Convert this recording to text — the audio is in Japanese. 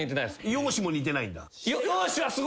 容姿も似てないんだ？